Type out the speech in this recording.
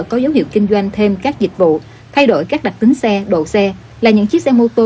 có dấu hiệu kinh doanh thêm các dịch vụ thay đổi các đặc tính xe độ xe là những chiếc xe mô tô